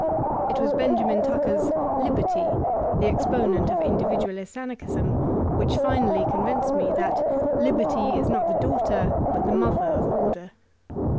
It was Benjamin Tucker's Liberty, the exponent of Individualist Anarch ism, which finally convinced me that "Liberty is not the Daughter but the Mother of Order.'